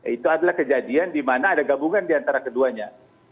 itu adalah kejadian di mana ada gabungan diantara keduanya